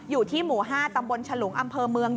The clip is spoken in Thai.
อยู่ที่หมู่๕ตำบลฉลุงอำเภอเมือง